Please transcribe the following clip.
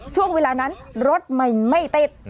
ช่วงเวลานั้นรถไม่ติด